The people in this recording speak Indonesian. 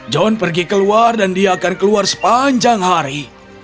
john pergi keluar dan dia akan keluar sepanjang hari